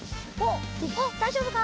おっだいじょうぶか？